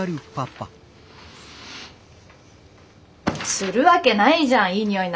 するわけないじゃんいい匂いなんか。